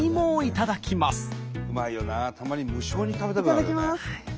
たまに無性に食べたくなるよね。